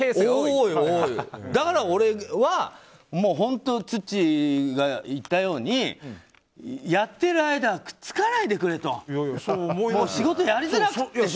だから、俺は本当ツッチーが言ったようにやってる間はくっつかないでくれと。仕事、やりづらくて。